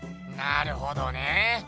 なるほどね。